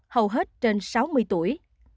hầu hết trên sáu mươi tuổi